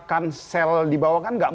gerakan sel dibawakan